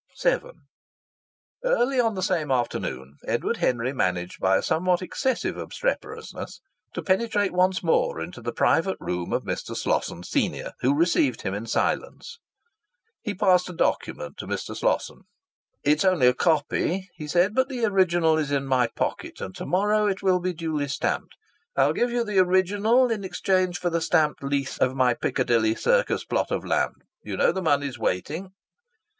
VII Early on the same afternoon Edward Henry managed by a somewhat excessive obstreperousness to penetrate once more into the private room of Mr. Slosson, senior, who received him in silence. He passed a document to Mr. Slosson. "It's only a copy," he said. "But the original is in my pocket, and to morrow it will be duly stamped. I'll give you the original in exchange for the stamped lease of my Piccadilly Circus plot of land. You know the money is waiting."